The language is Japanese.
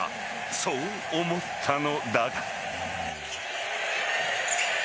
そう思ったのだが。